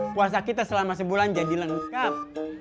puasa kita selama sebulan jadi lengkap